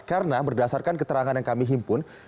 karena berdasarkan keterangan yang kami himpun